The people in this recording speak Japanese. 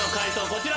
こちら。